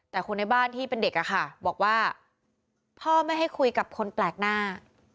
แต่คนในบ้านที่เป็นเด็กอะค่ะบอกว่าพ่อไม่ให้คุยกับคนแปลกหน้า